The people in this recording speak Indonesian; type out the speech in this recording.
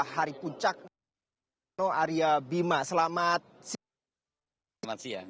hari puncak gelora bung karno area bima selamat siang